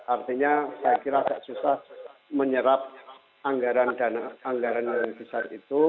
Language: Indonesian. artinya saya kira agak susah menyerap anggaran yang besar itu